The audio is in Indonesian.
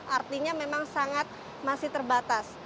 artinya memang sangat masih terbatas